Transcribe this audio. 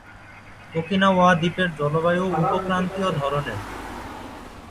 Okinawa দ্বীপের জলবায়ু উপ-ক্রান্তীয় ধরনের।